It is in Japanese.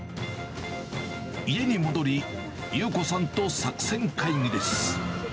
家に戻り、裕子さんと作戦会議です。